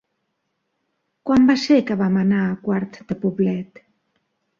Quan va ser que vam anar a Quart de Poblet?